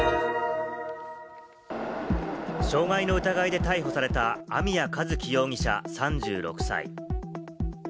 傷害の疑いで逮捕された網谷一希容疑者、３６歳。